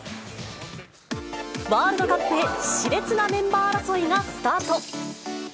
ワールドカップへしれつなメンバー争いがスタート。